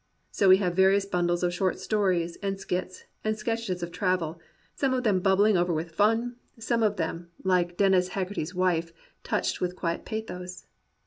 So we have various bundles of short stories, and skits, and sketches of travel, some of them bubbling over with fun, some 114 THACKERAY AND REAL MEN of them, like Dennis Haggarty^s Wife, touched with quiet pathos.